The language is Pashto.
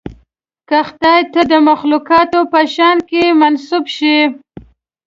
که خدای ته د مخلوقاتو په شأن کې منسوب شي.